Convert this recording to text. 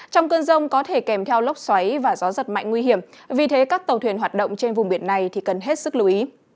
trong cơn rông có thể kèm theo lốc xoáy và gió giật mạnh nguy hiểm vì thế các tàu thuyền hoạt động trên vùng biển này cần hết sức lưu ý